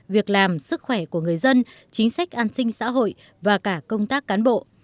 việc làm sức khỏe của người dân chính sách an sinh xã hội và cả công tác cán bộ